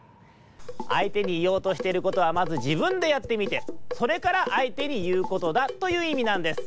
「あいてにいおうとしてることはまずじぶんでやってみてそれからあいてにいうことだ」といういみなんです。